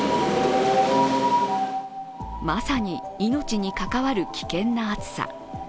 まさに命に関わる危険な暑さ。